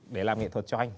để làm nghệ thuật cho anh